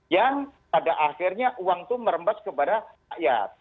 yang pada akhirnya uang itu merembas kepada rakyat